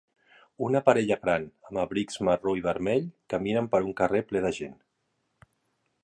Una parella gran amb abrics marró i vermell caminen per un carrer ple de gent.